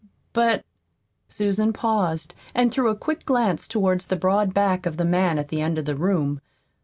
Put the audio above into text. "But " Susan paused and threw a quick glance toward the broad back of the man at the end of the room.